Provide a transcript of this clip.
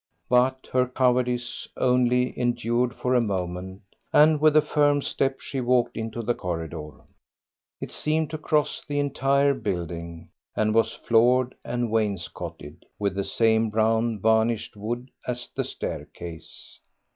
But her cowardice only endured for a moment, and with a firm step she walked into the corridor. It seemed to cross the entire building, and was floored and wainscotted with the same brown varnished wood as the staircase.